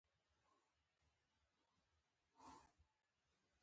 زما تر کوره را رسېدلي دي په پښتو ژبه.